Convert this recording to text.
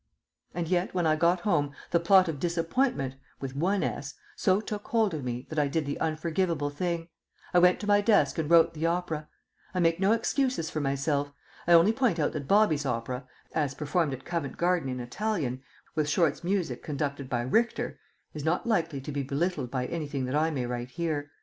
And yet, when I got home, the plot of "Disappointment" (with one "s") so took hold of me that I did the unforgivable thing; I went to my desk and wrote the opera. I make no excuses for myself. I only point out that Bobby's opera, as performed at Covent Garden in Italian, with Short's music conducted by Richter, is not likely to be belittled by anything that I may write here.